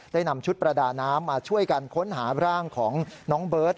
นำชุดประดาน้ำมาช่วยกันค้นหาร่างของน้องเบิร์ต